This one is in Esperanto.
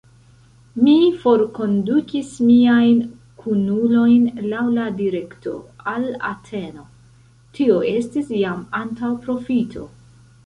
Mi forkondukis miajn kunulojn laŭ la direkto al Ateno: tio estis jam antaŭprofito.